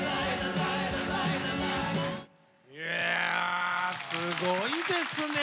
いやあすごいですね